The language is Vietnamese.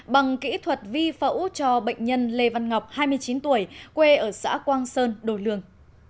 bằng kỹ thuật vi phẫu cho bệnh nhân lê văn ngọc hai mươi chín tuổi quê ở xã quang sơn đồ lương